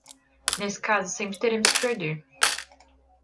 Nesse caso, sempre teremos que perder.